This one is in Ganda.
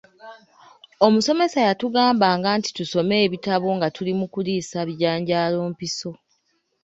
Omusomesa yatugambanga nti tusome ebitabo nga tuli mu kuliisa bijanjalo mpiso